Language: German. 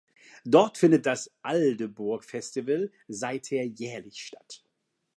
Dort findet das "Aldeburgh Festival" seither jährlich statt.